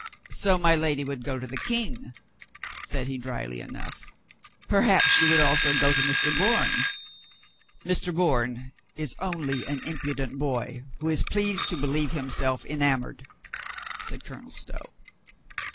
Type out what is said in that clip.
"So my lady would go to the King," said he, drily enough. "Per haps she would also go to Mr. Bourne?" "Mr. Bourne is only an impudent boy who is pleased to believe himself enamored," said Colonel Stow.